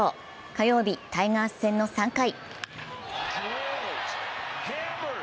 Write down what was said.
火曜日、タイガース戦の３回。